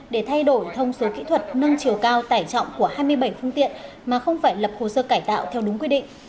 để thay đổi thông số kỹ thuật nâng chiều cao tải trọng của hai mươi bảy phương tiện mà không phải lập hồ sơ cải tạo theo đúng quy định